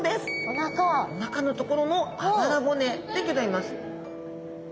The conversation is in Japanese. おなかのところのあばら骨でギョざいます。